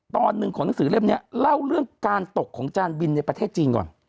ตอนหนึ่งของหนังสือเล่มนี้เล่าเรื่องการตกของจานบินในประเทศจีนก่อน